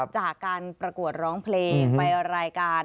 จากการประกวดร้องเพลงไปรายการ